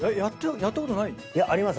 やったことない？あります。